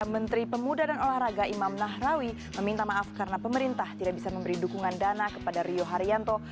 menteri pemuda dan olahraga imam nahrawi meminta maaf karena pemerintah tidak bisa memberi dukungan dana kepada rio haryanto